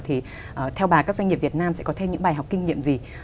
thì theo bà các doanh nghiệp việt nam sẽ có thêm những bài học kinh nghiệm gì